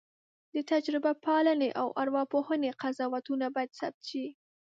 د تجربه پالنې او ارواپوهنې قضاوتونه باید ثبت شي.